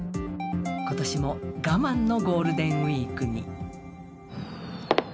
今年も我慢のゴールデンウイークに。